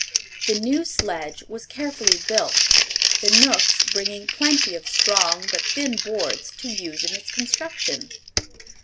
The new sledge was carefully built, the Knooks bringing plenty of strong but thin boards to use in its construction.